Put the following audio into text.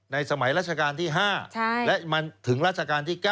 สมัยราชการที่๕และมันถึงราชการที่๙